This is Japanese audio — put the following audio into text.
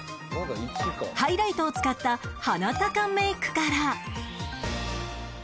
ハイライトを使った鼻高メイクから